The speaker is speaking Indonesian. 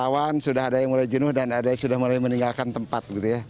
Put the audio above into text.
rawan sudah ada yang mulai jenuh dan ada yang sudah mulai meninggalkan tempat